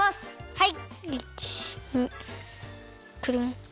はい！